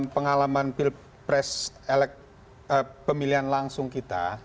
pengalaman pemilihan langsung kita